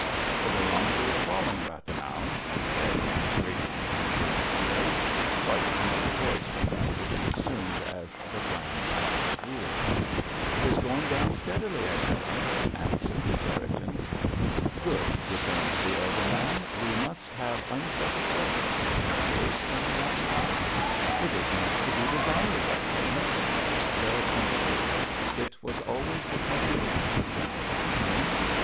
"The barometer is falling, Rathenau," he said in his grating, imperious voice—quite another voice from that which he assumed as the bland Doctor Voules. "It is going down steadily, Excellenz," answered Cherriton. "Good," returned the elder man. "We must have unsettled weather for the twenty eighth—eh, Rathenau?" "It is much to be desired, Excellenz." The twenty eighth—it was always the twenty eighth with General von Kuhne.